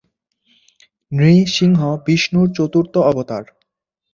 নৃসিংহ বিষ্ণুর চতুর্থ অবতার।